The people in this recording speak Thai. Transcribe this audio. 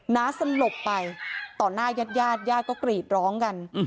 น้าสลบไปต่อหน้าญาติญาติก็กรีดร้องกัน